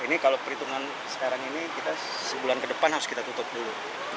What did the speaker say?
ini kalau perhitungan sekarang ini kita sebulan ke depan harus kita tutup dulu